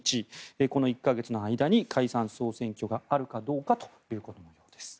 この１か月の間に解散・総選挙があるかどうかということのようです。